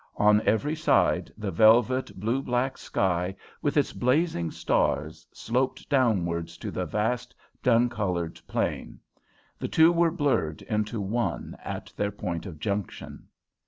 On every side the velvet, blue black sky, with its blazing stars, sloped downwards to the vast, dun coloured plain. The two were blurred into one at their point of junction.